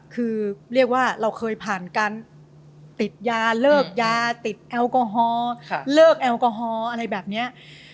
คือเรียกว่าเราเคยผ่านการติดยาเลิกยาติดแอลกอฮอล์เลิกแอลกอฮอล์อะไรแบบนี้